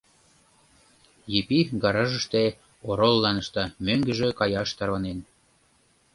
Епи гаражыште ороллан ышта, мӧҥгыжӧ каяш тарванен.